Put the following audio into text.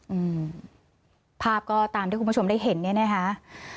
อืมภาพก็ตามที่คุณผู้ชมได้เห็นเนี้ยนะคะ